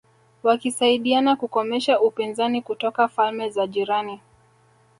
wakisaidiana kukomesha upinzani kutoka falme za jirani